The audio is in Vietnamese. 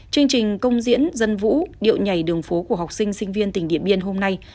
chương trình công diễn dân vũ điệu nhảy đường phố của học sinh sinh viên tỉnh điện biên hôm nay